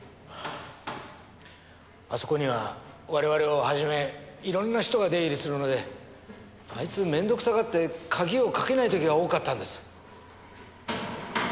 あそこには我々をはじめいろんな人が出入りするのであいつ面倒くさがって鍵をかけない時が多かったんです。